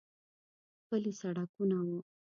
پلي سړکونه و.